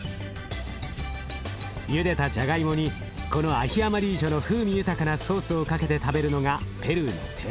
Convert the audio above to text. ゆでたじゃがいもにこのアヒ・アマリージョの風味豊かなソースをかけて食べるのがペルーの定番。